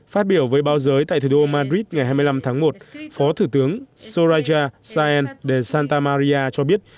phát biểu với báo giới tại thủ đô madrid ngày hai mươi năm tháng một phó thủ tướng soraya sáenz de santa maria cho biết